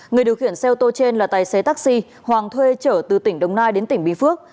người điều khiển xe ô tô trên là tài xế taxi hoàng thuê trở từ tỉnh đồng nai đến tỉnh bình phước